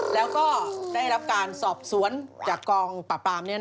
แล้วก็ได้รับการสอบสวนจากกองปราบปราม